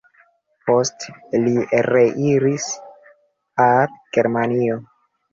Poste li reiris al Germanio.